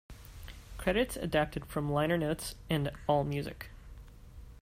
Credits adapted from liner notes and Allmusic.